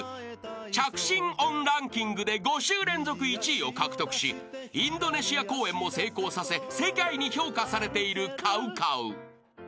［着信音ランキングで５週連続１位を獲得しインドネシア公演も成功させ世界に評価されているＣＯＷＣＯＷ］